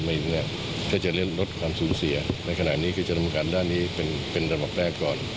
ก็จะจะลดความสูงเสียในขณะนี้ก็จะต้องการด้านนี้เป็นระบบแรกกร